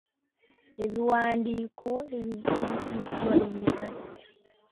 Ebiwandiiko ebijuliziddwa Univerisity.